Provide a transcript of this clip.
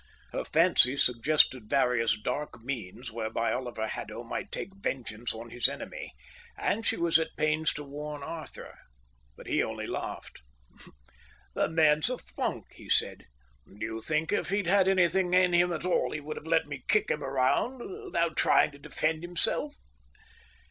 Her fancy suggested various dark means whereby Oliver Haddo might take vengeance on his enemy, and she was at pains to warn Arthur. But he only laughed. "The man's a funk," he said. "Do you think if he'd had anything in him at all he would have let me kick him without trying to defend himself?"